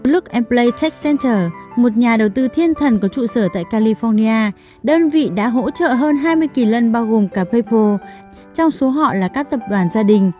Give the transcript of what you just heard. look play tech center một nhà đầu tư thiên thần có trụ sở tại california đơn vị đã hỗ trợ hơn hai mươi kỳ lần bao gồm cả paypal trong số họ là các tập đoàn gia đình